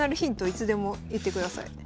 いつでも言ってください。